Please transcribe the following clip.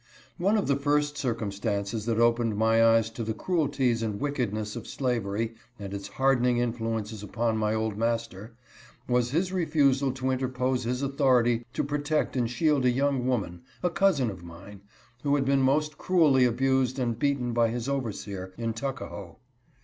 One of the first circumstances that opened my eyes to the cruelties and wickedness of slavery and its hardening influences upon my old master, was his refusal to inter pose his authority to protect and shield a young woman, a cousin of mine, who had been most cruelly abused and beaten by his overseer in Tuckahoe.